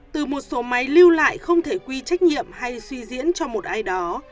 từ một số máy lưu lại không thể quy trách nhiệm hay suy diễn cho một ai đó